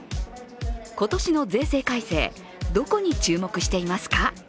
今年の税制改正、どこに注目していますか？